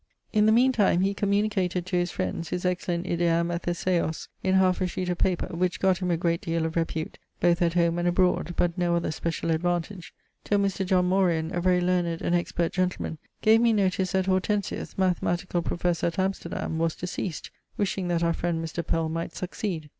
In the mean time he communicated to his friends his excellent Idea Matheseos in half a sheet of paper, which got him a great deal of repute, both at home and abroad, but no other special advantage, till Mr. John Morian, a very learned and expert gentleman, gave me notice that Hortensius, mathematical professor at Amsterdam, was deceased, wishing that our friend Mr. Pell might succeed.